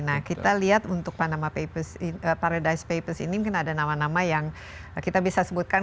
nah kita lihat untuk panama paradise papers ini mungkin ada nama nama yang kita bisa sebutkan